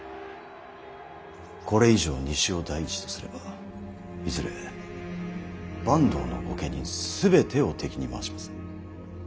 これ以上西を第一とすればいずれ坂東の御家人全てを敵に回します。